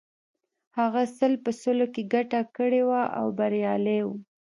هغه سل په سلو کې ګټه کړې وه او بریالی و